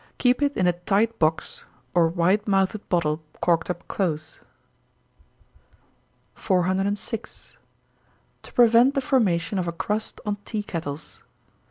Keep it in a tight box, or wide mouthed bottle, corked up close. 406. _To prevent the formation of a Crust on Tea Kettles.